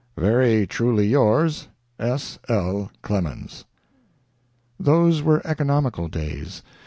"Very truly yours, "S. L. CLEMENS." Those were economical days.